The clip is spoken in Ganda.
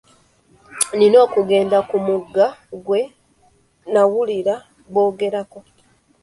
Nina okugenda ku mugga gwe nnawulira boogera ko.